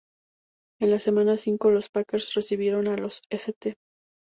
En la semana cinco los Packers recibieron a los St.